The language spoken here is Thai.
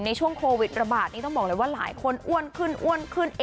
ในช่วงโควิดระบาดนี้ต้องบอกเลยว่าหลายคนอ้วนขึ้นอ้วนขึ้น